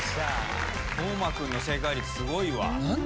當間君の正解率すごいわ。